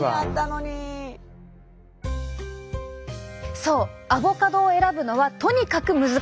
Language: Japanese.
そうアボカドを選ぶのはとにかく難しい！